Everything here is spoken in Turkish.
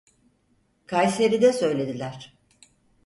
Kayseri'de söylediler.